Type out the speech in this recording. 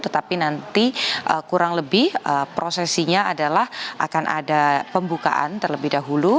tetapi nanti kurang lebih prosesinya adalah akan ada pembukaan terlebih dahulu